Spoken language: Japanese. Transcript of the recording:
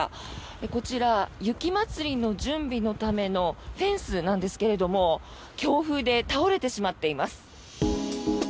こちら、雪まつりの準備のためのフェンスなんですけれど強風で倒れてしまっています。